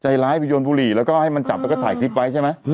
ใจร้ายไปโยนบุหรี่แล้วก็ให้มันจับแล้วก็ถ่ายคลิปไว้ใช่ไหม